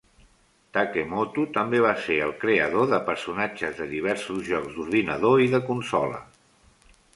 Takemoto també va ser el creador de personatges de diversos jocs d'ordinador i de consola.